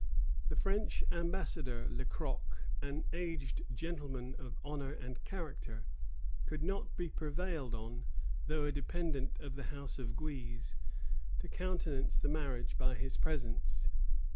The French ambassador, Le Croc, an aged gentleman of honor and character, could not be prevailed on, though a dependent of the house of Guise, to countenance the marriage by his presence.